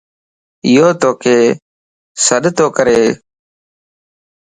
ايو توک سڏتو ڪري